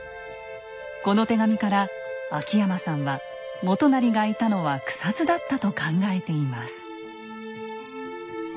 この手紙から秋山さんは元就がいたのは草津だったと考えています。